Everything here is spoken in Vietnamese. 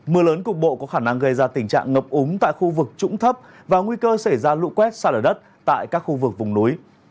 mưa lớn cục bộ có khả năng gây ra tình trạng ngập úng tại khu vực trũng thấp và nguy cơ xảy ra lũ quét xa lở đất tại các khu vực vùng núi